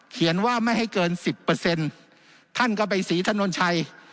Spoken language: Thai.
เขียนว่าไม่ให้เกินสิบเปอร์เซ็นต์ท่านก็ไปศรีถนนชัย